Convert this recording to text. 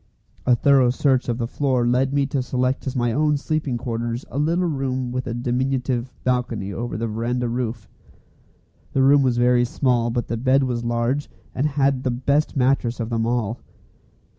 A thorough search of the floor led me to select as my own sleeping quarters a little room with a diminutive balcony over the verandah roof. The room was very small, but the bed was large, and had the best mattress of them all.